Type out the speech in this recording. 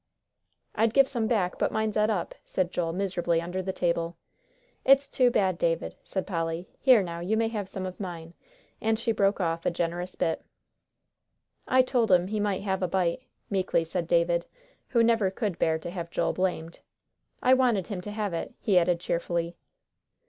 "I'd give some back, but mine's et up," said Joel, miserably, under the table. "It's too bad, David," said Polly; "here now, you may have some of mine," and she broke off a generous bit. "I told him he might have a bite," meekly said David, who never could bear to have Joel blamed. "I wanted him to have it," he added cheerfully.